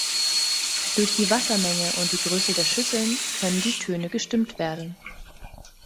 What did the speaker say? Durch die Wassermenge und die Größe der Schüsseln können die Töne gestimmt werden.